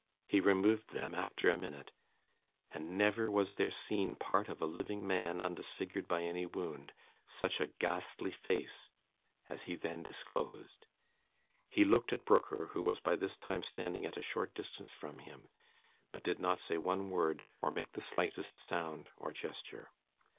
He removed them, after a minute, and never was there seen, part of a living man undisfigured by any wound, such a ghastly face as he then disclosed. He looked at Brooker, who was by this time standing at a short distance from him; but did not say one word, or make the slightest sound or gesture.